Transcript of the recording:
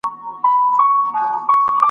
خو چي څو ورځي څپېړي پر مخ وخوري ..